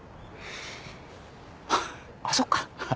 あっそっか。